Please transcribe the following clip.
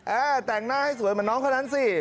แต่งหน้าให้สวยเหมือนน้องคนนั้นสิ